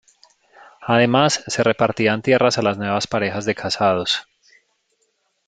Además se repartían tierras a las nuevas parejas de casados.